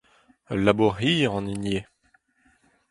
Ul labour hir an hini eo.